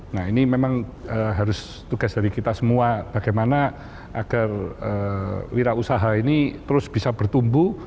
nah ini memang harus tugas dari kita semua bagaimana agar wira usaha ini terus bisa bertumbuh